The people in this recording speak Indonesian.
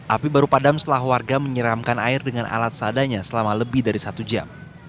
api baru padam setelah warga menyeramkan air dengan alat seadanya selama lebih dari satu jam